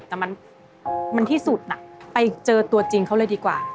แต่มันที่สุดไปเจอตัวจริงเขาเลยดีกว่า